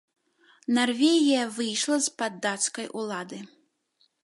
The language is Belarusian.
Нарвегія выйшла з-пад дацкай улады.